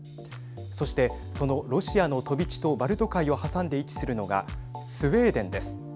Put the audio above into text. そして、そのロシアの飛び地とバルト海を挟んで位置するのがスウェーデンです。